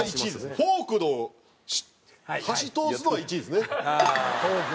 フォークと箸通すのは１位ですね。